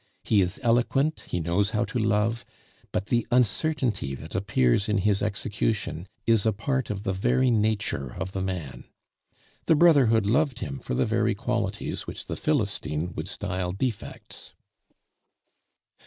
He is eloquent, he knows how to love, but the uncertainty that appears in his execution is a part of the very nature of the man. The brotherhood loved him for the very qualities which the philistine would style defects.